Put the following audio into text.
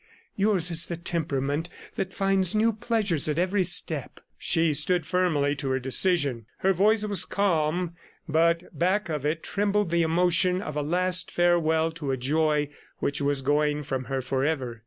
Yours is the temperament that finds new pleasures at every step." She stood firmly to her decision. Her voice was calm, but back of it trembled the emotion of a last farewell to a joy which was going from her forever.